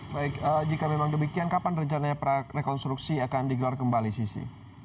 baik jika memang demikian kapan rencananya rekonstruksi akan digelar kembali sisi